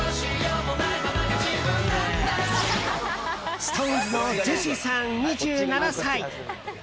ＳｉｘＴＯＮＥＳのジェシーさん、２７歳。